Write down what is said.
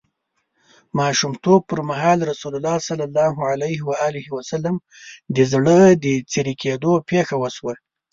ماشومتوب پر مهال رسول الله ﷺ د زړه د څیری کیدو پېښه وشوه.